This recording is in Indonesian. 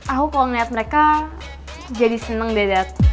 aku kalo liat mereka jadi seneng dad